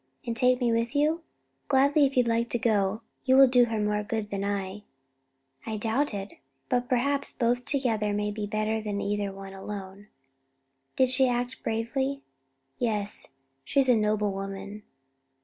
"And take me with you?" "Gladly, if you like to go. You will do her more good than I." "I doubt it; but perhaps both together may be better than either one alone. Didn't she act bravely?" "Yes; she's a noble woman."